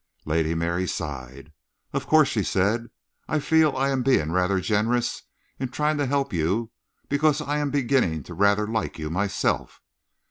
Lady Mary sighed. "Of course," she said, "I feel I am being rather generous in trying to help you, because I am beginning to rather like you myself."